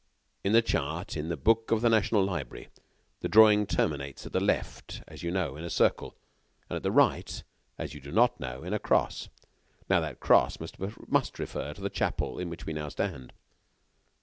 In the chart in the book of the National Library, the drawing terminates at the left, as you know, in a circle, and at the right, as you do not know, in a cross. Now, that cross must refer to the chapel in which we now stand."